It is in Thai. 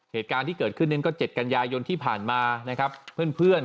เหตุการณ์ที่เกิดขึ้นนั้นก็๗กันยายนที่ผ่านมานะครับเพื่อน